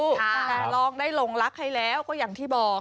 แต่ลองได้ลงรักให้แล้วก็อย่างที่บอก